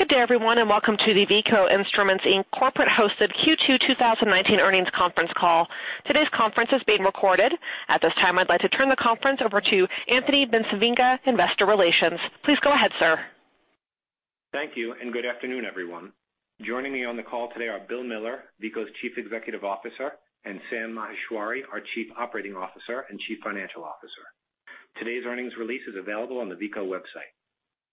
Good day everyone, welcome to the Veeco Instruments Inc. corporate-hosted Q2 2019 earnings conference call. Today's conference is being recorded. At this time, I'd like to turn the conference over to Anthony Bencivenga, investor relations. Please go ahead, sir. Thank you, and good afternoon, everyone. Joining me on the call today are Bill Miller, Veeco's Chief Executive Officer, and Sam Maheshwari, our Chief Operating Officer and Chief Financial Officer. Today's earnings release is available on the veeco.com.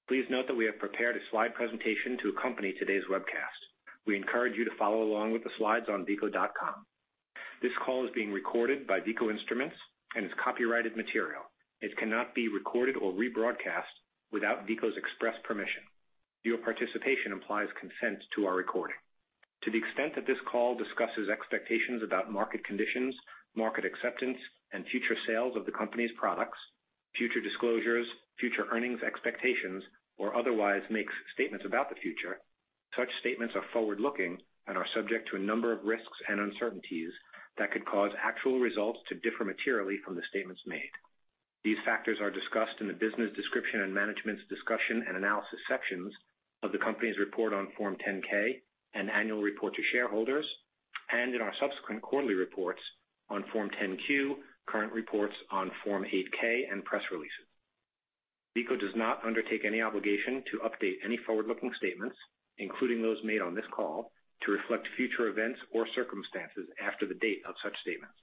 Please note that we have prepared a slide presentation to accompany today's webcast. We encourage you to follow along with the slides on veeco.com. This call is being recorded by Veeco Instruments and is copyrighted material. It cannot be recorded or rebroadcast without Veeco's express permission. Your participation implies consent to our recording. To the extent that this call discusses expectations about market conditions, market acceptance, and future sales of the company's products, future disclosures, future earnings expectations, or otherwise makes statements about the future, such statements are forward-looking and are subject to a number of risks and uncertainties that could cause actual results to differ materially from the statements made. These factors are discussed in the Business Description and Management's Discussion and Analysis sections of the company's report on Form 10-K and annual report to shareholders, and in our subsequent quarterly reports on Form 10-Q, current reports on Form 8-K, and press releases. Veeco does not undertake any obligation to update any forward-looking statements, including those made on this call, to reflect future events or circumstances after the date of such statements.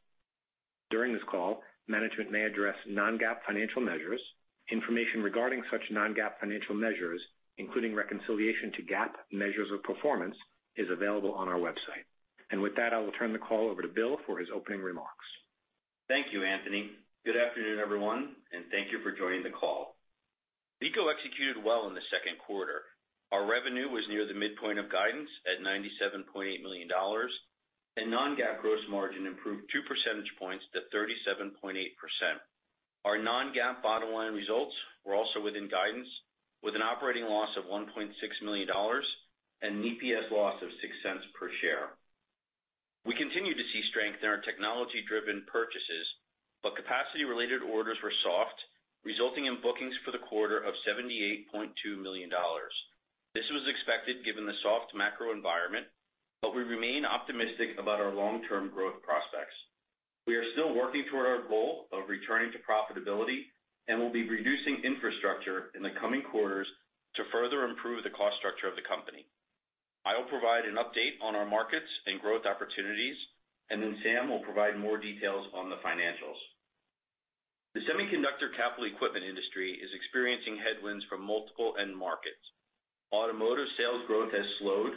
During this call, management may address non-GAAP financial measures. Information regarding such non-GAAP financial measures, including reconciliation to GAAP measures of performance, is available on our website. With that, I will turn the call over to Bill for his opening remarks. Thank you, Anthony. Good afternoon, everyone, and thank you for joining the call. Veeco executed well in the second quarter. Our revenue was near the midpoint of guidance at $97.8 million, and non-GAAP gross margin improved two percentage points to 37.8%. Our non-GAAP bottom-line results were also within guidance, with an operating loss of $1.6 million and EPS loss of $0.06 per share. We continue to see strength in our technology-driven purchases, capacity-related orders were soft, resulting in bookings for the quarter of $78.2 million. This was expected given the soft macro environment, we remain optimistic about our long-term growth prospects. We are still working toward our goal of returning to profitability, will be reducing infrastructure in the coming quarters to further improve the cost structure of the company. I will provide an update on our markets and growth opportunities, and then Sam will provide more details on the financials. The semiconductor capital equipment industry is experiencing headwinds from multiple end markets. Automotive sales growth has slowed.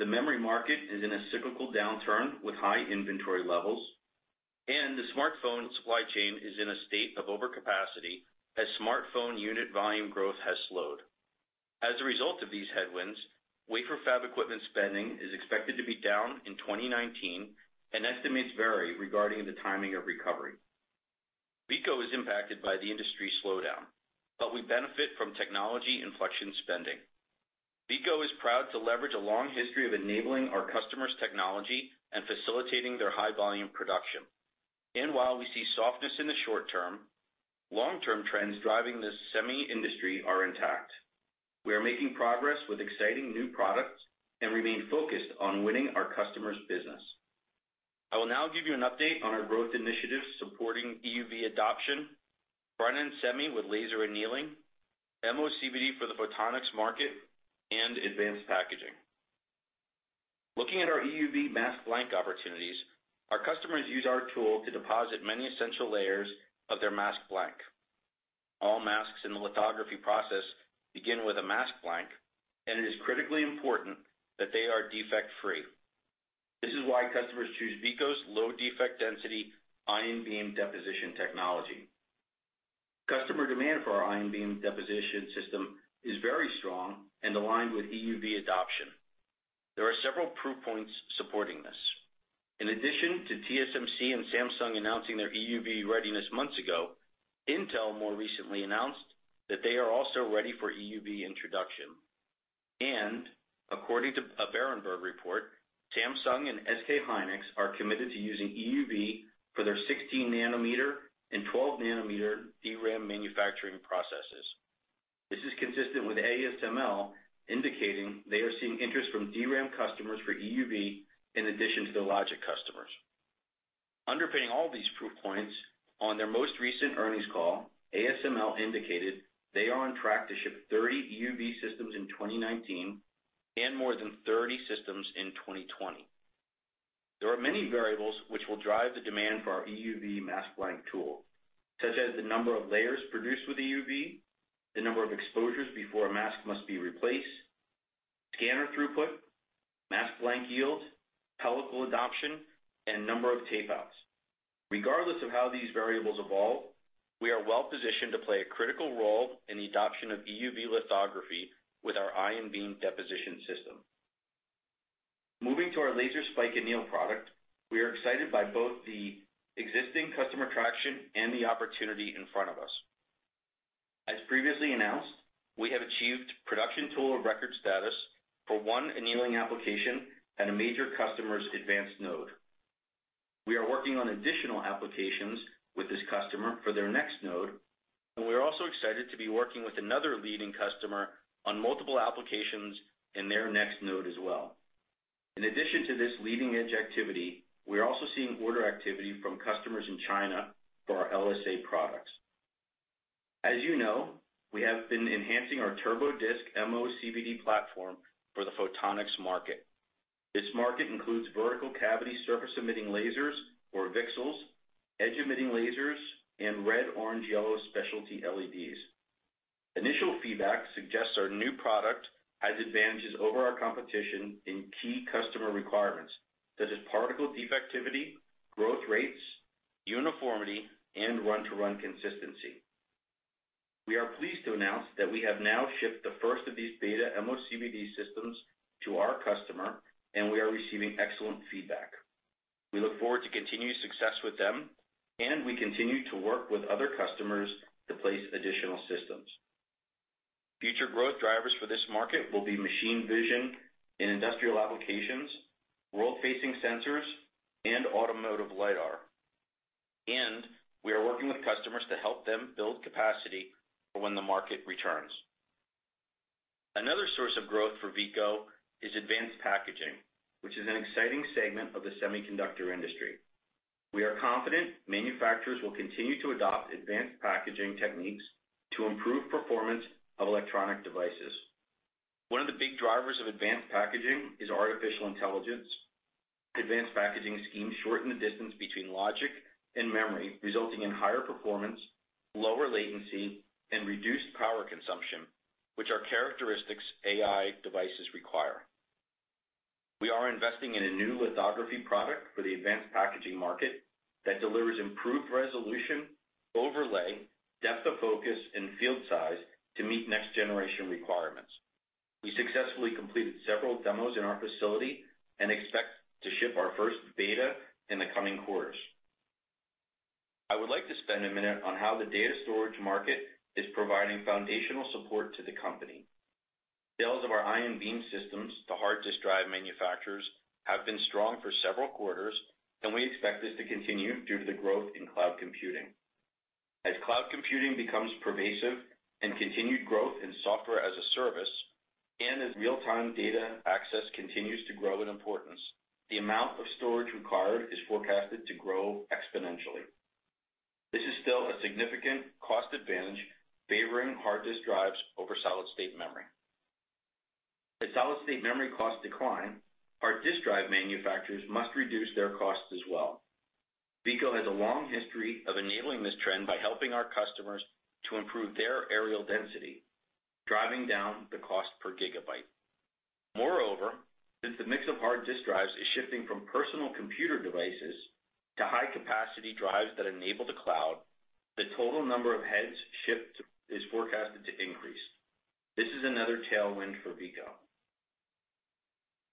The memory market is in a cyclical downturn with high inventory levels, and the smartphone supply chain is in a state of overcapacity as smartphone unit volume growth has slowed. As a result of these headwinds, wafer fab equipment spending is expected to be down in 2019, and estimates vary regarding the timing of recovery. Veeco is impacted by the industry slowdown, but we benefit from technology inflection spending. Veeco is proud to leverage a long history of enabling our customers' technology and facilitating their high-volume production. While we see softness in the short term, long-term trends driving the semi industry are intact. We are making progress with exciting new products and remain focused on winning our customers' business. I will now give you an update on our growth initiatives supporting EUV adoption, front-end semi with laser annealing, MOCVD for the photonics market, and Advanced Packaging. Looking at our EUV mask blank opportunities, our customers use our tool to deposit many essential layers of their mask blank. All masks in the lithography process begin with a mask blank, and it is critically important that they are defect-free. This is why customers choose Veeco's low defect density ion beam deposition technology. Customer demand for our ion beam deposition system is very strong and aligned with EUV adoption. There are several proof points supporting this. In addition to TSMC and Samsung announcing their EUV readiness months ago, Intel more recently announced that they are also ready for EUV introduction. According to a Berenberg report, Samsung and SK Hynix are committed to using EUV for their 16-nanometer and 12-nanometer DRAM manufacturing processes. This is consistent with ASML indicating they are seeing interest from DRAM customers for EUV in addition to the logic customers. Underpinning all these proof points, on their most recent earnings call, ASML indicated they are on track to ship 30 EUV systems in 2019 and more than 30 systems in 2020. There are many variables which will drive the demand for our EUV mask blank tool, such as the number of layers produced with EUV, the number of exposures before a mask must be replaced, scanner throughput, mask blank yield, pellicle adoption, and number of tape-outs. Regardless of how these variables evolve, we are well-positioned to play a critical role in the adoption of EUV lithography with our ion beam deposition system. Moving to our laser spike anneal product, we are excited by both the existing customer traction and the opportunity in front of us. As previously announced, we have achieved production tool record status for one annealing application at a major customer's advanced node. We are working on additional applications with this customer for their next node, and we're also excited to be working with another leading customer on multiple applications in their next node as well. In addition to this leading-edge activity, we are also seeing order activity from customers in China for our LSA products. As you know, we have been enhancing our TurboDisc MOCVD platform for the photonics market. This market includes vertical-cavity surface-emitting lasers or VCSELs, edge emitting lasers, and red, orange, yellow specialty LEDs. Initial feedback suggests our new product has advantages over our competition in key customer requirements such as particle defectivity, growth rates, uniformity, and run-to-run consistency. We are pleased to announce that we have now shipped the first of these beta MOCVD systems to our customer, and we are receiving excellent feedback. We look forward to continued success with them, and we continue to work with other customers to place additional systems. Future growth drivers for this market will be machine vision in industrial applications, world-facing sensors, and automotive lidar. We are working with customers to help them build capacity for when the market returns. Another source of growth for Veeco is advanced packaging, which is an exciting segment of the semiconductor industry. We are confident manufacturers will continue to adopt advanced packaging techniques to improve performance of electronic devices. One of the big drivers of advanced packaging is artificial intelligence. Advanced packaging schemes shorten the distance between logic and memory, resulting in higher performance, lower latency, and reduced power consumption, which are characteristics AI devices require. We are investing in a new lithography product for the advanced packaging market that delivers improved resolution, overlay, depth of focus, and field size to meet next-generation requirements. We successfully completed several demos in our facility and expect to ship our first beta in the coming quarters. I would like to spend a minute on how the data storage market is providing foundational support to the company. Sales of our ion beam systems to hard disk drive manufacturers have been strong for several quarters, and we expect this to continue due to the growth in cloud computing. As cloud computing becomes pervasive and continued growth in software as a service, and as real-time data access continues to grow in importance, the amount of storage required is forecasted to grow exponentially. This is still a significant cost advantage favoring hard disk drives over solid-state memory. As solid-state memory costs decline, hard disk drive manufacturers must reduce their costs as well. Veeco has a long history of enabling this trend by helping our customers to improve their areal density, driving down the cost per gigabyte. Moreover, since the mix of hard disk drives is shifting from personal computer devices to high-capacity drives that enable the cloud, the total number of heads shipped is forecasted to increase. This is another tailwind for Veeco.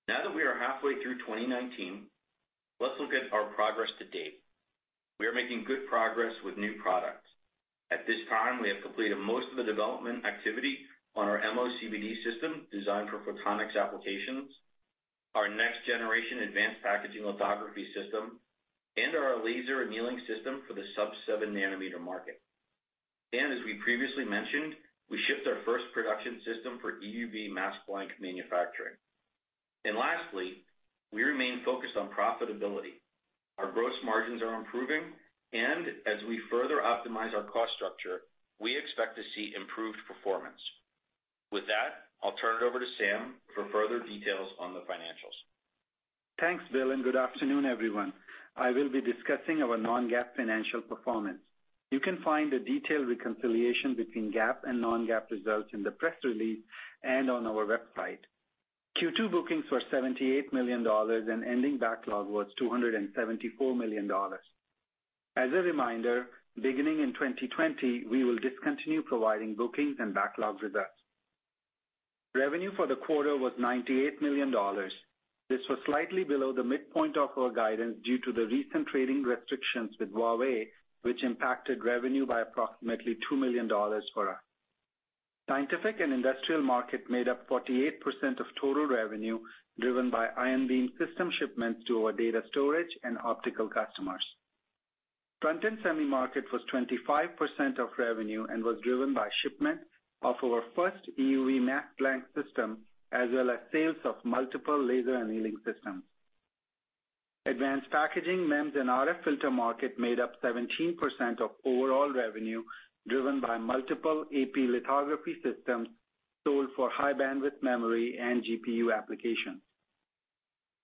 Now that we are halfway through 2019, let's look at our progress to date. We are making good progress with new products. At this time, we have completed most of the development activity on our MOCVD system designed for photonics applications, our next-generation advanced packaging lithography system, and our laser annealing system for the sub-7-nanometer market. As we previously mentioned, we shipped our first production system for EUV mask blank manufacturing. Lastly, we remain focused on profitability. Our gross margins are improving, and as we further optimize our cost structure, we expect to see improved performance. With that, I'll turn it over to Sam for further details on the financials. Thanks, Bill, good afternoon, everyone. I will be discussing our non-GAAP financial performance. You can find a detailed reconciliation between GAAP and non-GAAP results in the press release and on our website. Q2 bookings were $78 million, and ending backlog was $274 million. As a reminder, beginning in 2020, we will discontinue providing bookings and backlog results. Revenue for the quarter was $98 million. This was slightly below the midpoint of our guidance due to the recent trading restrictions with Huawei, which impacted revenue by approximately $2 million for us. Scientific and industrial market made up 48% of total revenue, driven by ion beam system shipments to our data storage and optical customers. Front-end semi market was 25% of revenue and was driven by shipment of our first EUV mask blank system, as well as sales of multiple laser annealing systems. Advanced packaging, MEMS, and RF filter market made up 17% of overall revenue, driven by multiple AP lithography systems sold for high-bandwidth memory and GPU applications.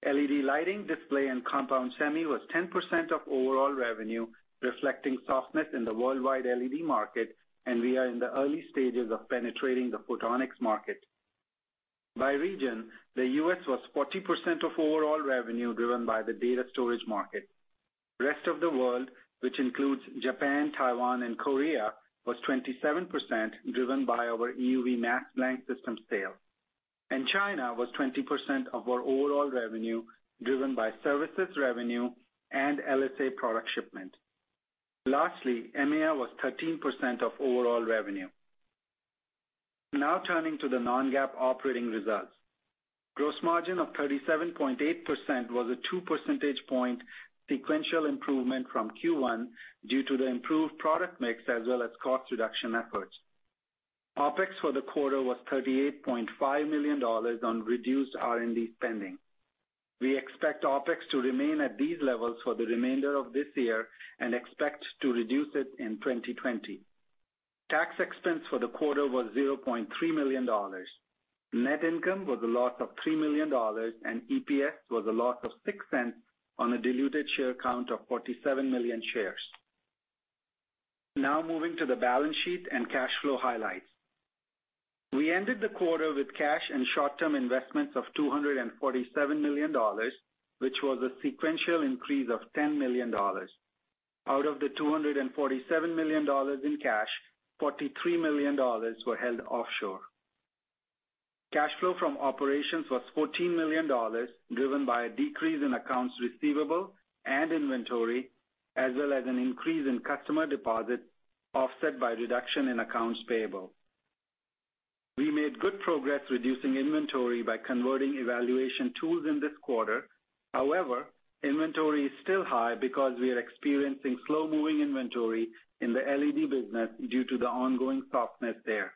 LED lighting, display, and compound semi was 10% of overall revenue, reflecting softness in the worldwide LED market. We are in the early stages of penetrating the photonics market. By region, the U.S. was 40% of overall revenue, driven by the data storage market. Rest of the world, which includes Japan, Taiwan, and Korea, was 27%, driven by our EUV mask blank systems sale. China was 20% of our overall revenue, driven by services revenue and LSA product shipment. Lastly, EMEA was 13% of overall revenue. Now turning to the non-GAAP operating results. Gross margin of 37.8% was a two percentage point sequential improvement from Q1 due to the improved product mix as well as cost reduction efforts. OpEx for the quarter was $38.5 million on reduced R&D spending. We expect OpEx to remain at these levels for the remainder of this year and expect to reduce it in 2020. Tax expense for the quarter was $0.3 million. Net income was a loss of $3 million, and EPS was a loss of $0.06 on a diluted share count of 47 million shares. Now moving to the balance sheet and cash flow highlights. We ended the quarter with cash and short-term investments of $247 million, which was a sequential increase of $10 million. Out of the $247 million in cash, $43 million were held offshore. Cash flow from operations was $14 million, driven by a decrease in accounts receivable and inventory, as well as an increase in customer deposits, offset by reduction in accounts payable. We made good progress reducing inventory by converting evaluation tools in this quarter. However, inventory is still high because we are experiencing slow-moving inventory in the LED business due to the ongoing softness there.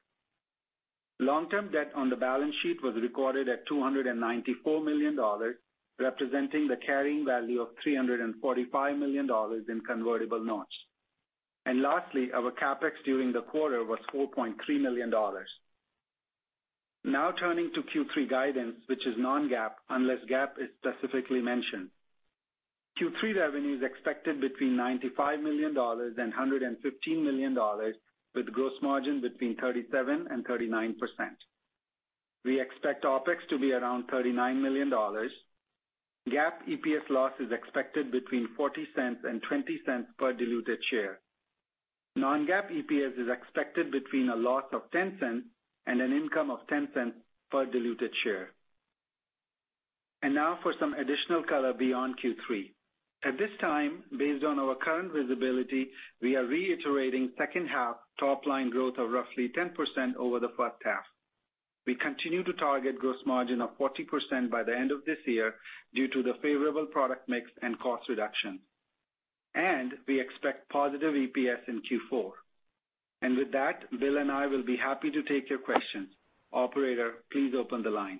Long-term debt on the balance sheet was recorded at $294 million, representing the carrying value of $345 million in convertible notes. Lastly, our CapEx during the quarter was $4.3 million. Now turning to Q3 guidance, which is non-GAAP, unless GAAP is specifically mentioned. Q3 revenue is expected between $95 million-$115 million, with gross margin between 37%-39%. We expect OpEx to be around $39 million. GAAP EPS loss is expected between $0.40 and $0.20 per diluted share. Non-GAAP EPS is expected between a loss of $0.10 and an income of $0.10 per diluted share. Now for some additional color beyond Q3. At this time, based on our current visibility, we are reiterating second half top-line growth of roughly 10% over the first half. We continue to target gross margin of 40% by the end of this year due to the favorable product mix and cost reduction. We expect positive EPS in Q4. With that, Bill and I will be happy to take your questions. Operator, please open the line.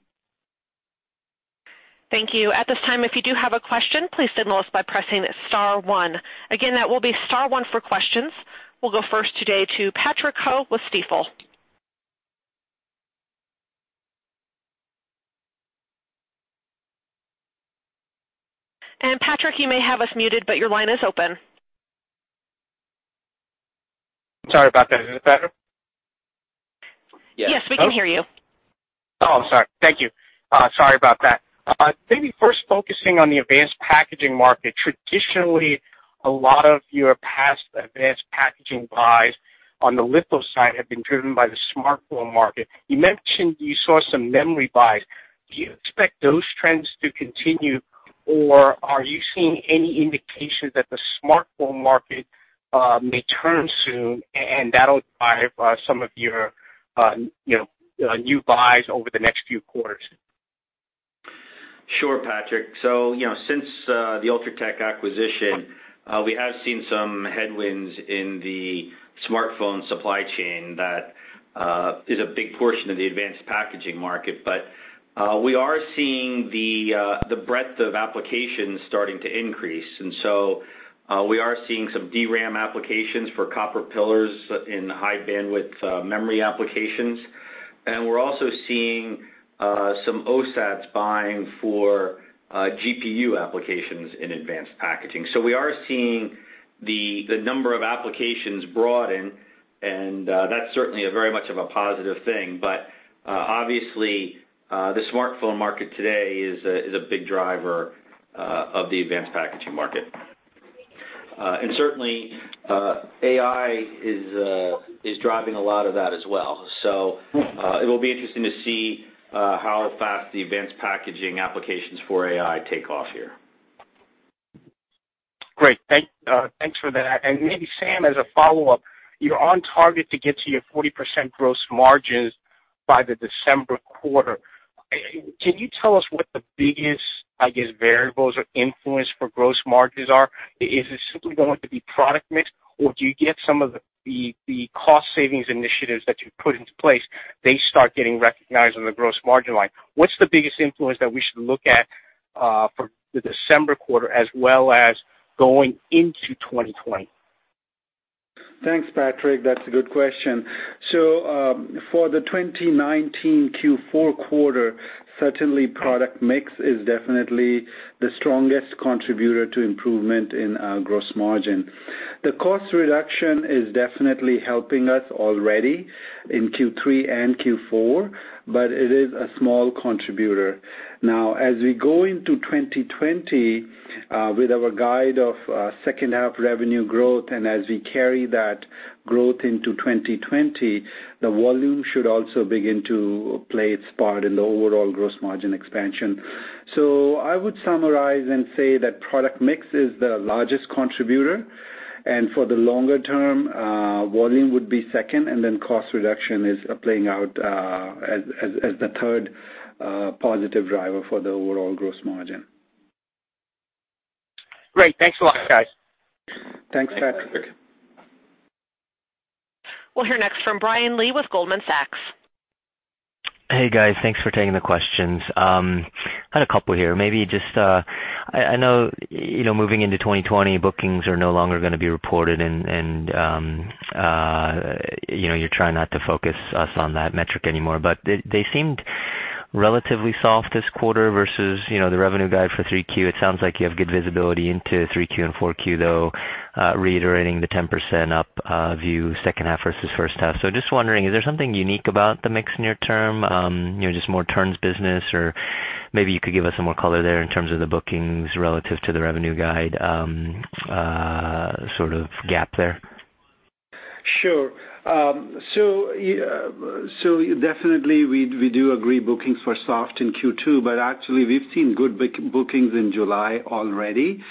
Thank you. At this time, if you do have a question, please signal us by pressing star one. Again, that will be star one for questions. We'll go first today to Patrick Ho with Stifel. Patrick, you may have us muted, but your line is open. Sorry about that. Is it better? Yes, we can hear you. Oh, sorry. Thank you. Sorry about that. Maybe first focusing on the Advanced Packaging market. Traditionally, a lot of your past Advanced Packaging buys on the litho side have been driven by the smartphone market. You mentioned you saw some memory buys. Do you expect those trends to continue, or are you seeing any indication that the smartphone market may turn soon, and that'll drive some of your new buys over the next few quarters? Sure, Patrick. Since, the Ultratech acquisition, we have seen some headwinds in the smartphone supply chain that is a big portion of the advanced packaging market. We are seeing the breadth of applications starting to increase. We are seeing some DRAM applications for copper pillars in high bandwidth memory applications. We're also seeing some OSATs buying for GPU applications in advanced packaging. We are seeing the number of applications broaden, and that's certainly a very much of a positive thing. Obviously, the smartphone market today is a big driver of the advanced packaging market. Certainly, AI is driving a lot of that as well. It will be interesting to see how fast the advanced packaging applications for AI take off here. Great. Thanks for that. Maybe Sam, as a follow-up, you're on target to get to your 40% gross margins by the December quarter. Can you tell us what the biggest, I guess, variables or influence for gross margins are? Is it simply going to be product mix, or do you get some of the cost savings initiatives that you put into place, they start getting recognized on the gross margin line? What's the biggest influence that we should look at for the December quarter as well as going into 2020? Thanks, Patrick. That's a good question. For the 2019 Q4 quarter, certainly product mix is definitely the strongest contributor to improvement in our gross margin. The cost reduction is definitely helping us already in Q3 and Q4, but it is a small contributor. As we go into 2020, with our guide of second half revenue growth, and as we carry that growth into 2020, the volume should also begin to play its part in the overall gross margin expansion. I would summarize and say that product mix is the largest contributor. For the longer term, volume would be second, and then cost reduction is playing out as the third positive driver for the overall gross margin. Great. Thanks a lot, guys. Thanks, Patrick. We'll hear next from Brian Lee with Goldman Sachs. Hey, guys. Thanks for taking the questions. Had a couple here. I know moving into 2020, bookings are no longer going to be reported, and you're trying not to focus us on that metric anymore, but they seemed relatively soft this quarter versus the revenue guide for Q3. It sounds like you have good visibility into Q3 and Q4, though, reiterating the 10% up view second half versus first half. Just wondering, is there something unique about the mix near term, just more turns business? Maybe you could give us some more color there in terms of the bookings relative to the revenue guide gap there. Sure. Definitely, we do agree bookings were soft in Q2, but actually, we've seen good bookings in July already.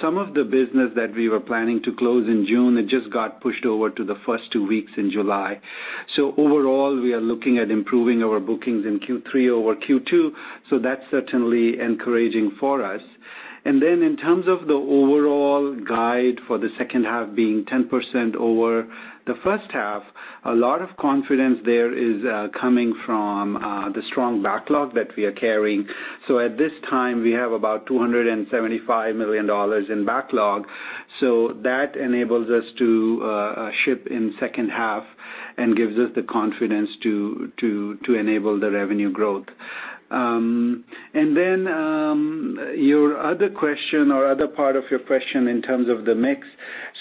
Some of the business that we were planning to close in June, it just got pushed over to the first two weeks in July. Overall, we are looking at improving our bookings in Q3 over Q2, that's certainly encouraging for us. In terms of the overall guide for the second half being 10% over the first half, a lot of confidence there is coming from the strong backlog that we are carrying. At this time, we have about $275 million in backlog, so that enables us to ship in the second half and gives us the confidence to enable the revenue growth. Your other question, or other part of your question, in terms of the mix.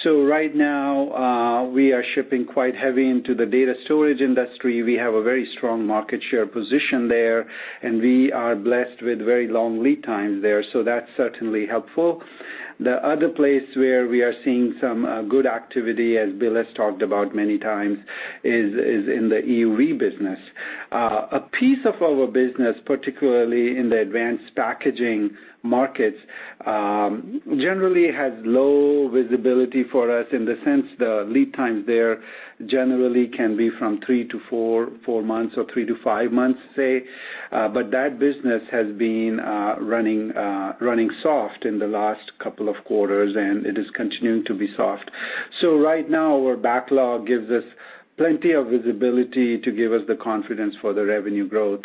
Right now, we are shipping quite heavy into the data storage industry. We have a very strong market share position there, and we are blessed with very long lead times there, so that's certainly helpful. The other place where we are seeing some good activity, as Bill has talked about many times, is in the EUV business. A piece of our business, particularly in the Advanced Packaging markets, generally has low visibility for us in the sense the lead times there generally can be from three to four months or three to five months, say. That business has been running soft in the last couple of quarters, and it is continuing to be soft. Right now, our backlog gives us plenty of visibility to give us the confidence for the revenue growth.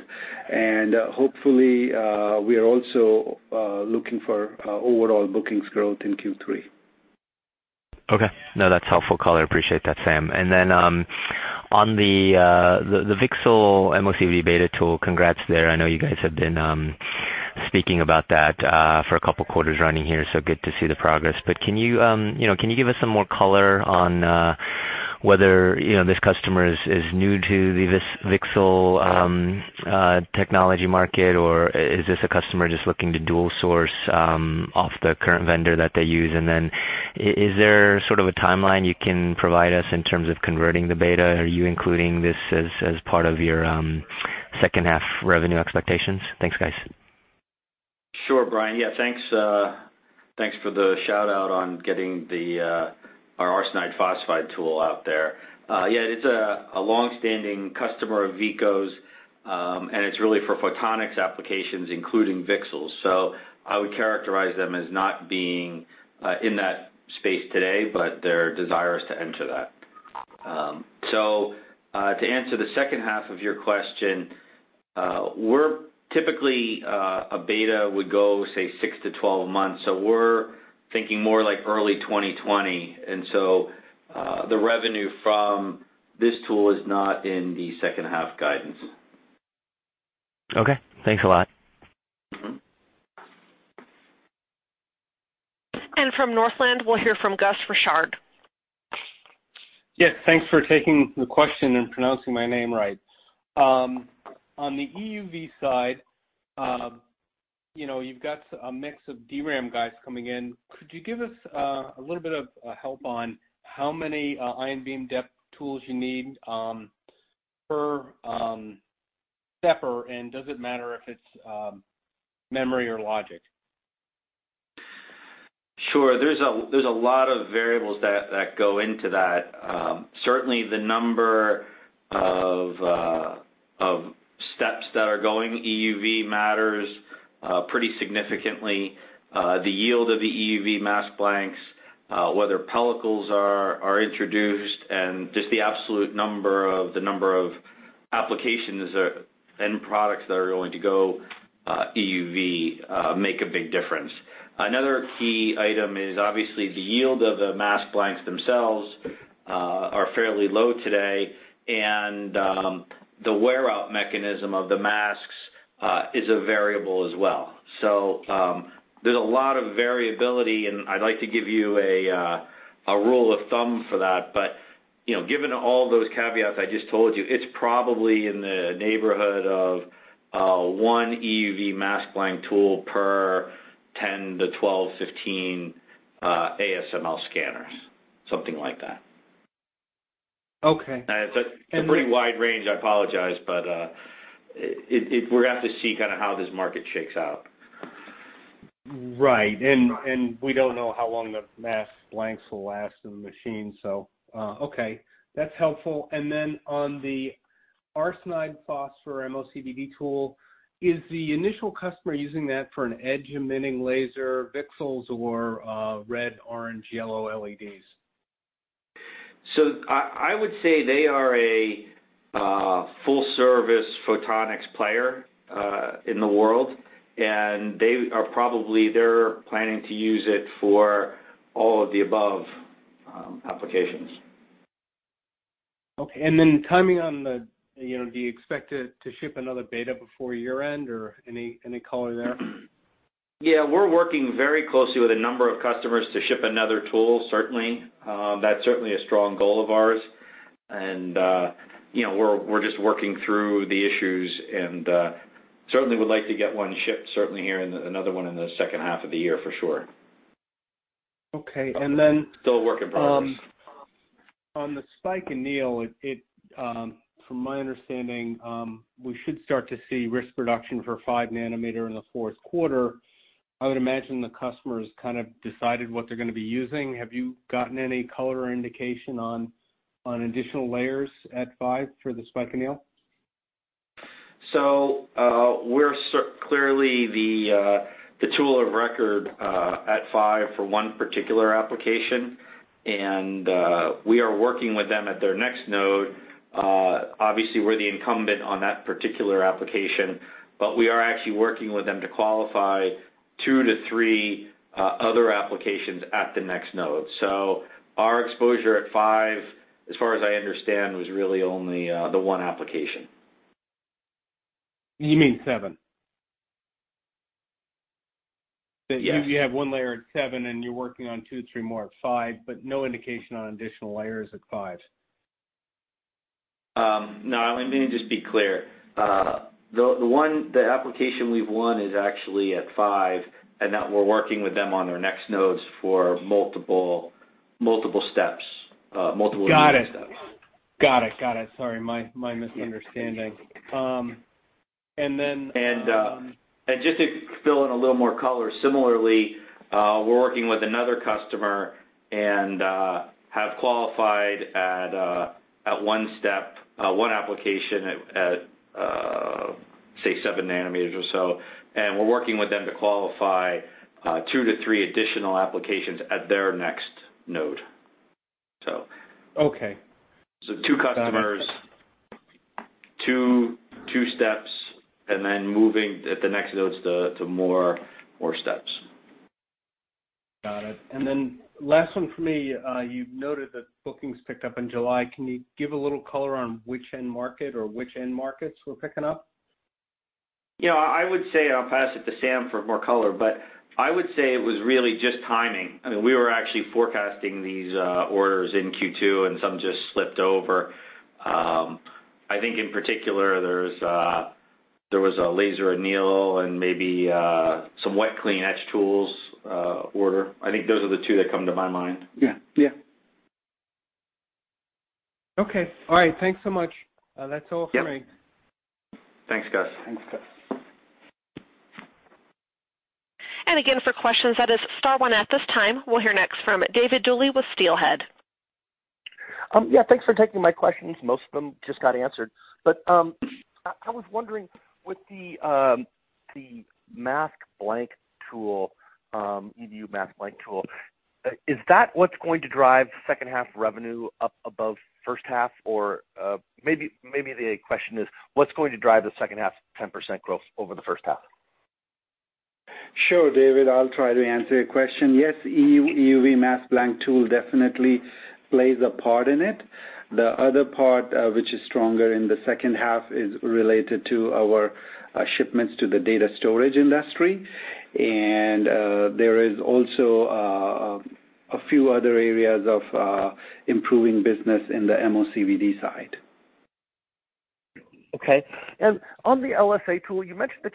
Hopefully, we are also looking for overall bookings growth in Q3. Okay. No, that's helpful color. Appreciate that, Sam. Then on the VCSEL MOCVD beta tool, congrats there. I know you guys have been speaking about that for a couple of quarters running here, so good to see the progress. Can you give us some more color on whether this customer is new to the VCSEL technology market, or is this a customer just looking to dual source off the current vendor that they use? Then is there sort of a timeline you can provide us in terms of converting the beta? Are you including this as part of your second half revenue expectations? Thanks, guys. Sure, Brian. Yeah, thanks for the shout-out on getting our arsenide phosphide tool out there. It's a long-standing customer of Veeco's, and it's really for photonics applications, including VCSELs. I would characterize them as not being in that space today, but they're desirous to enter that. To answer the second half of your question, typically, a beta would go, say, 6-12 months. We're thinking more like early 2020. The revenue from this tool is not in the second half guidance. Okay. Thanks a lot. From Northland, we'll hear from Gus Richard. Yes, thanks for taking the question and pronouncing my name right. On the EUV side, you've got a mix of DRAM guys coming in. Could you give us a little bit of help on how many ion beam deposition tools you need per stepper, and does it matter if it's memory or logic? Sure. There's a lot of variables that go into that. Certainly, the number of steps that are going EUV matters pretty significantly. The yield of the EUV mask blanks, whether pellicles are introduced, and just the absolute number of the number of applications or end products that are going to go EUV make a big difference. Another key item is obviously the yield of the mask blanks themselves are fairly low today, and the wear-out mechanism of the masks is a variable as well. There's a lot of variability, and I'd like to give you a rule of thumb for that. Given all those caveats I just told you, it's probably in the neighborhood of one EUV mask blank tool per 10 to 12, 15 ASML scanners. Something like that. Okay. It's a pretty wide range, I apologize, but we're going to have to see how this market shakes out. Right. We don't know how long the mask blanks will last in the machine. That's helpful. On the arsenide phosphide MOCVD tool, is the initial customer using that for an edge emitting laser, VCSELs or red, orange, yellow LEDs? I would say they are a full-service photonics player in the world, and they are probably planning to use it for all of the above applications. Okay. Do you expect to ship another beta before year-end or any color there? Yeah. We're working very closely with a number of customers to ship another tool, certainly. That's certainly a strong goal of ours. We're just working through the issues and certainly would like to get one shipped, certainly here, and another one in the second half of the year for sure. Okay. Still a work in progress. on the Spike anneal, from my understanding, we should start to see risk production for 5 nanometer in the fourth quarter. I would imagine the customer's kind of decided what they're going to be using. Have you gotten any color indication on additional layers at 5 for the Spike anneal? We're clearly the tool of record at 5 for one particular application, and we are working with them at their next node. Obviously, we're the incumbent on that particular application, but we are actually working with them to qualify 2 to 3 other applications at the next node. Our exposure at 5, as far as I understand, was really only the one application. You mean seven? Yes. You have one layer at seven, and you're working on two, three more at five, but no indication on additional layers at five. No. Let me just be clear. The application we've won is actually at 5, and that we're working with them on their next nodes for multiple steps. Multiple unit steps. Got it. Sorry, my misunderstanding. Just to fill in a little more color, similarly, we're working with another customer and have qualified at one step, one application at, say, seven nanometers or so, and we're working with them to qualify two to three additional applications at their next node. Okay. Two customers, two steps, and then moving at the next nodes to more steps. Got it. Last one from me. You noted that bookings picked up in July. Can you give a little color on which end market or which end markets were picking up? I would say, and I'll pass it to Sam for more color, but I would say it was really just timing. We were actually forecasting these orders in Q2, and some just slipped over. I think in particular, there was a laser anneal and maybe some wet clean etch tools order. I think those are the two that come to my mind. Yeah. Okay. All right. Thanks so much. That's all for me. Yep. Thanks, Gus. Thanks, Gus. Again, for questions, that is star one. At this time, we'll hear next from David Duley with Steelhead. Thanks for taking my questions. Most of them just got answered. I was wondering, with the EUV mask blank tool, is that what's going to drive second half revenue up above first half? Maybe the question is, what's going to drive the second half's 10% growth over the first half? Sure, David, I'll try to answer your question. Yes, EUV mask blank tool definitely plays a part in it. The other part which is stronger in the second half is related to our shipments to the data storage industry. There is also a few other areas of improving business in the MOCVD side. On the LSA tool, you mentioned that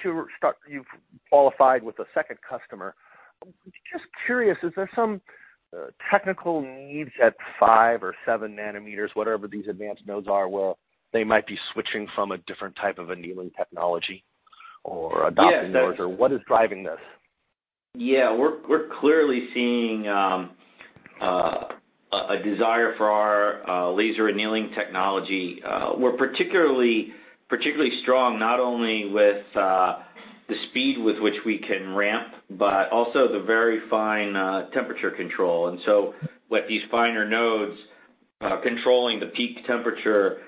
you've qualified with a second customer. Just curious, is there some technical needs at five or seven nanometers, whatever these advanced nodes are, where they might be switching from a different type of annealing technology or adopting yours? What is driving this? Yeah. We're clearly seeing a desire for our laser annealing technology. We're particularly strong not only with the speed with which we can ramp, but also the very fine temperature control. With these finer nodes, controlling the peak temperature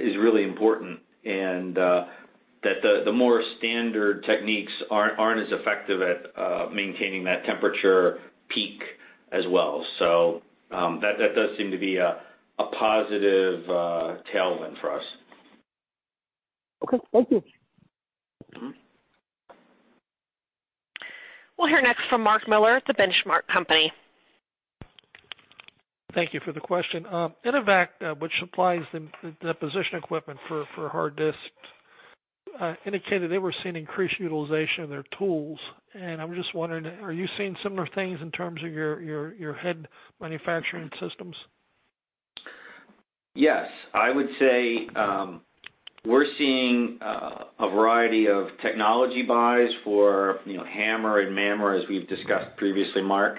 is really important, and that the more standard techniques aren't as effective at maintaining that temperature peak as well. That does seem to be a positive tailwind for us. Okay. Thank you. We'll hear next from Mark Miller at The Benchmark Company. Thank you for the question. Intevac, which supplies the deposition equipment for hard disk, indicated they were seeing increased utilization of their tools. I'm just wondering, are you seeing similar things in terms of your head manufacturing systems? Yes. I would say, we're seeing a variety of technology buys for HAMR and MAMR, as we've discussed previously, Mark.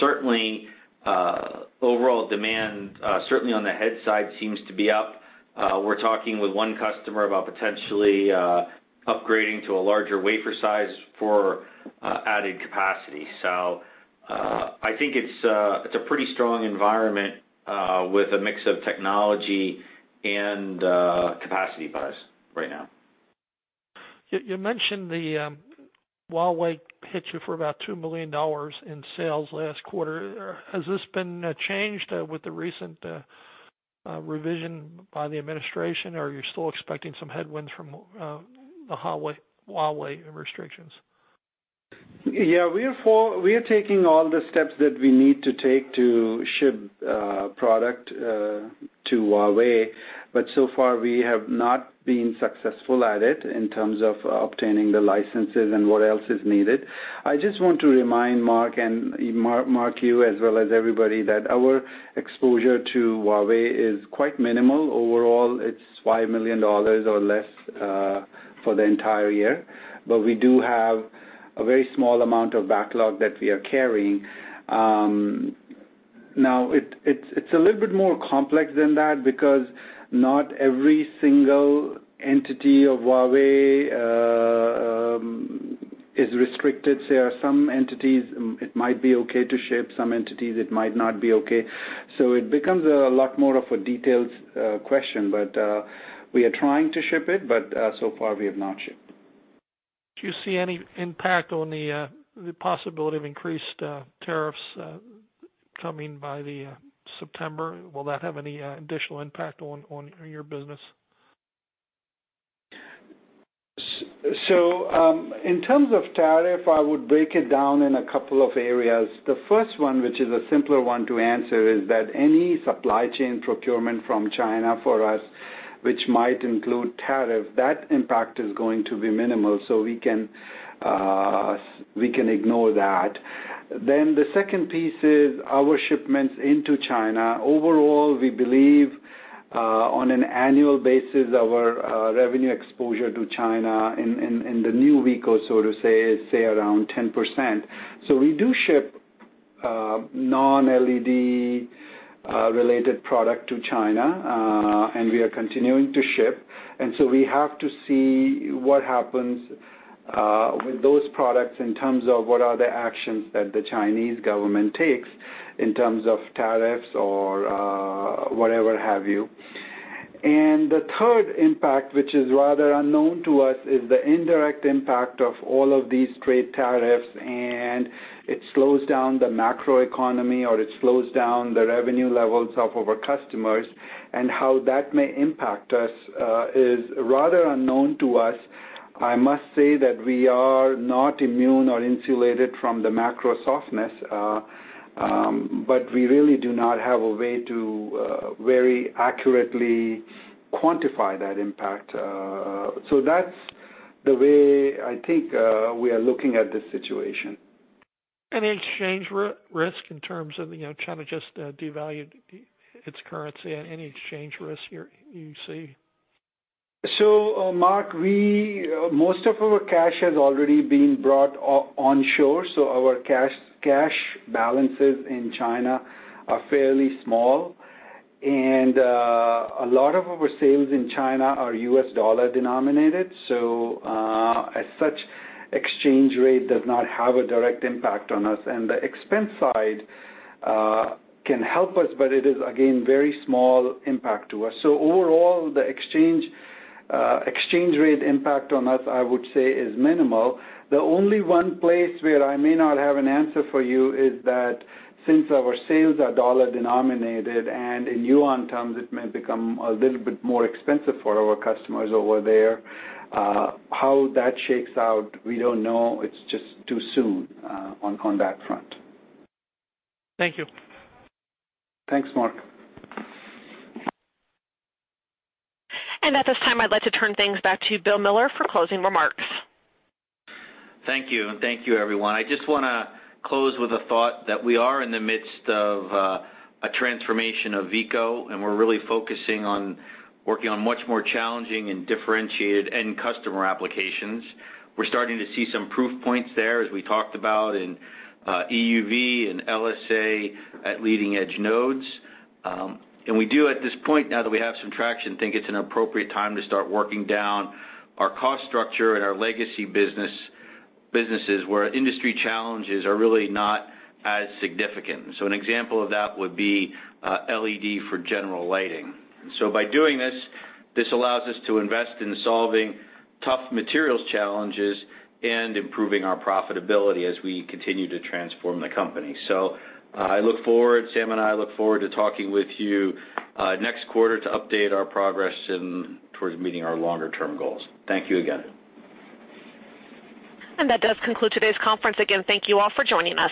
Certainly, overall demand, certainly on the head side, seems to be up. We're talking with one customer about potentially upgrading to a larger wafer size for added capacity. I think it's a pretty strong environment, with a mix of technology and capacity buys right now. You mentioned the Huawei hit you for about $2 million in sales last quarter. Has this been changed with the recent revision by the administration, or are you still expecting some headwinds from the Huawei restrictions? Yeah. We are taking all the steps that we need to take to ship product to Huawei. So far, we have not been successful at it in terms of obtaining the licenses and what else is needed. I just want to remind Mark, and Mark, you, as well as everybody, that our exposure to Huawei is quite minimal. Overall, it's $5 million or less for the entire year. We do have a very small amount of backlog that we are carrying. Now, it's a little bit more complex than that because not every single entity of Huawei is restricted. Say, some entities, it might be okay to ship. Some entities, it might not be okay. It becomes a lot more of a detailed question. We are trying to ship it, but so far we have not shipped. Do you see any impact on the possibility of increased tariffs coming by the September? Will that have any additional impact on your business? In terms of tariff, I would break it down in a couple of areas. The first one, which is a simpler one to answer, is that any supply chain procurement from China for us, which might include tariff, that impact is going to be minimal, so we can ignore that. The second piece is our shipments into China. Overall, we believe, on an annual basis, our revenue exposure to China in the new Veeco, so to say, is around 10%. We do ship non-LED related product to China, and we are continuing to ship. We have to see what happens with those products in terms of what are the actions that the Chinese government takes in terms of tariffs or whatever have you. The third impact, which is rather unknown to us, is the indirect impact of all of these trade tariffs. It slows down the macroeconomy, or it slows down the revenue levels of our customers. How that may impact us is rather unknown to us. I must say that we are not immune or insulated from the macro softness, but we really do not have a way to very accurately quantify that impact. That's the way I think we are looking at this situation. Any exchange risk in terms of China just devalued its currency and any exchange risk you see? Mark, most of our cash has already been brought onshore, so our cash balances in China are fairly small. A lot of our sales in China are U.S. dollar-denominated, as such, exchange rate does not have a direct impact on us. The expense side can help us, but it is again, very small impact to us. Overall, the exchange rate impact on us, I would say, is minimal. The only one place where I may not have an answer for you is that since our sales are dollar-denominated and in yuan terms, it may become a little bit more expensive for our customers over there. How that shakes out, we don't know. It's just too soon on that front. Thank you. Thanks, Mark. At this time, I'd like to turn things back to Bill Miller for closing remarks. Thank you. Thank you, everyone. I just want to close with a thought that we are in the midst of a transformation of Veeco, and we're really focusing on working on much more challenging and differentiated end customer applications. We're starting to see some proof points there as we talked about in EUV and LSA at leading edge nodes. We do at this point, now that we have some traction, think it's an appropriate time to start working down our cost structure and our legacy businesses, where industry challenges are really not as significant. An example of that would be LED for general lighting. By doing this allows us to invest in solving tough materials challenges and improving our profitability as we continue to transform the company. Sam and I look forward to talking with you next quarter to update our progress towards meeting our longer-term goals. Thank you again. That does conclude today's conference. Again, thank you all for joining us.